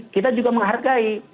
kita juga menghargai